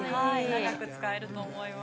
◆長く使えると思います。